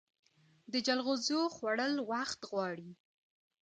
د جلغوزیو خوړل وخت غواړي.